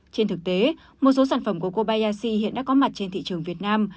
trên thực tế một số sản phẩm của kobayashi hiện đã có mặt trên thị trường việt nam